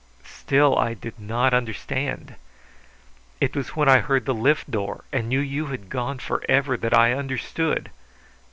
Still I did not understand. It was when I heard the lift door and knew you had gone forever that I understood.